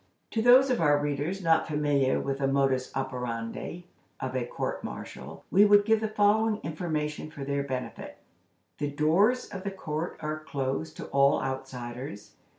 To those of our readers not familiar with the modus operandi of a court martial, we would give the following information for their benefit: The doors of the court are closed to all outsiders.